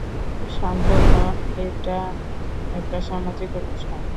শান্ত হ, এটা একটা সামাজিক অনুষ্ঠান।